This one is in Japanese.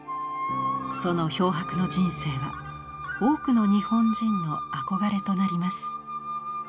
その漂泊の人生は多くの日本人の憧れとなります。